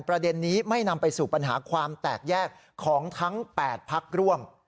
ประเด็นนี้ไม่นำไปสู่ปัญหาความแตกแยกของทั้ง๘พักร่วม